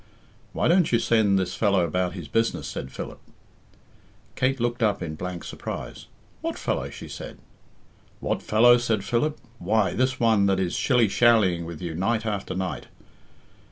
"Why don't you send this fellow about his business?" said Philip. Kate looked up in blank surprise. "What fellow?" she said. "What fellow?" said Philip, "why, this one that is shillyshallying with you night after night."